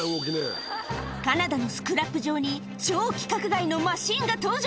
カナダのスクラップ場に、超規格外のマシンが登場。